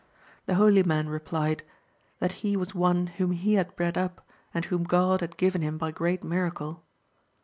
The holy man replied. That he was one whom he had bred up, and whom God had given him by great miracle.